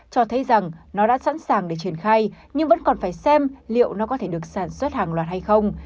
cho thấy rằng nó đã sẵn sàng để triển khai nhưng vẫn còn phải xem liệu nó có thể được sản xuất hàng loạt hay không